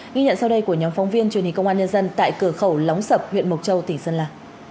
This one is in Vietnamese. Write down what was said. ghi nhận sau đây của nhóm phóng viên truyền hình công an nhân dân tại cửa khẩu lóng sập huyện mộc châu tỉnh sơn la